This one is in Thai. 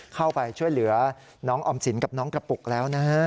เข้าไปช่วยเหลือน้องออมสินกับน้องกระปุกแล้วนะฮะ